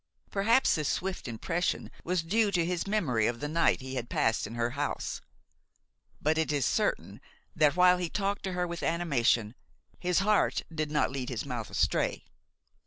Perhaps this swift impression was due to his memory of the night he had passed at her house; but it is certain that, while he talked to her with animation, his heart did not lead his mouth astray.